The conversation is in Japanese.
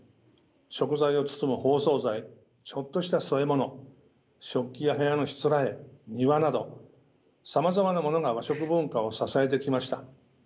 食材を包む包装材ちょっとした添え物食器や部屋のしつらえ庭などさまざまなものが和食文化を支えてきました。